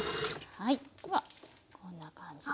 はいではこんな感じで。